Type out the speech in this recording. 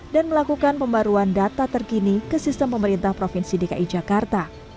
dan melakukan pembaruan data terkini ke sistem pemerintah provinsi dki jakarta